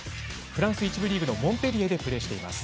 フランス１部リーグのモンペリエでプレーしています。